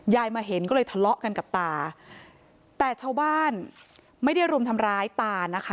มาเห็นก็เลยทะเลาะกันกับตาแต่ชาวบ้านไม่ได้รุมทำร้ายตานะคะ